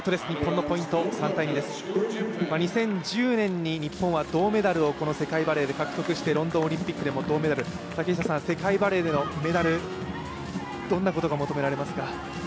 ２０１０年に日本世界バレーで銅メダルを獲得してロンドンオリンピックでも銅メダル、世界バレーでのメダルどんなことが求められますか？